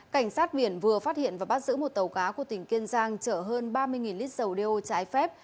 cảnh sát biển vừa phát hiện và bắt giữ một tàu cá của tỉnh kiên giang chở hơn ba mươi lít dầu đeo trái phép